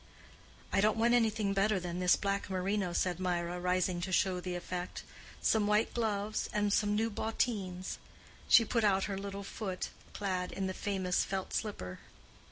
"I don't want anything better than this black merino," said Mirah, rising to show the effect. "Some white gloves and some new bottines." She put out her little foot, clad in the famous felt slipper.